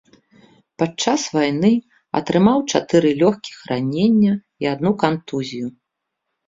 Падчас вайны атрымаў чатыры лёгкіх ранення і адну кантузію.